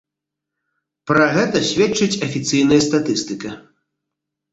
Пра гэта сведчыць афіцыйная статыстыка.